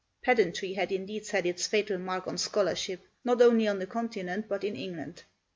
Pedantry had indeed set its fatal mark on scholarship, not only on the Continent but in England.